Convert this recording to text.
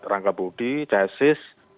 rangka bodi chasis